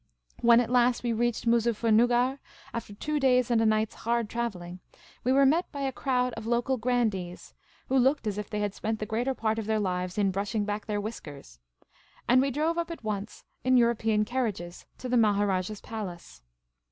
When at last we reached Moozuffernuggar, after two days' and a night's hard travelling, we were met by a crowd of local grandees, who looked as if they had spent the greater part of their lives in brushing back their whiskers, and we drove up at once, in European carriages, to the Maharajah's palace.